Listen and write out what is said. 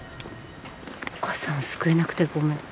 「お母さんを救えなくてごめん。